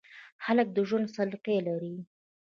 هلک د ژوند سلیقه لري.